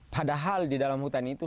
padahal di dalam hutan itu